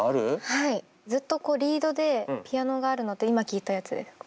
はいずっとこうリードでピアノがあるのって今聴いたやつですか？